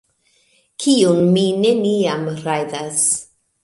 Kiun mi neniam rajdas